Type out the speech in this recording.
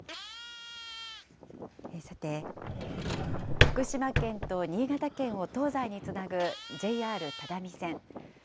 さて、福島県と新潟県を東西につなぐＪＲ只見線。